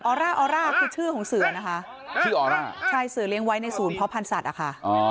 ออร่าออร่าคือชื่อของสื่อนะคะชื่อออร่าใช่สื่อเรียงไว้ในศูนย์พระพันธ์ศัตริย์อ่ะค่ะ